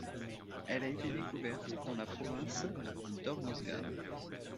Elle a été découverte dans la province d'Hormozgan.